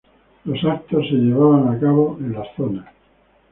Los eventos se llevaban a cabo en las zonas.